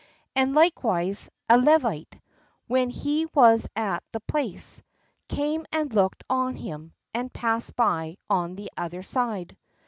And likewise a Levite, when he was at the place, came and looked on him, and passed by on the other side.